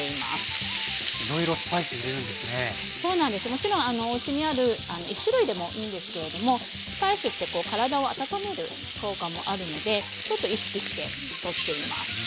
もちろんおうちにある１種類でもいいんですけれどもスパイスって体を温める効果もあるのでちょっと意識してとっています。